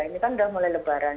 ini kan udah mulai lebaran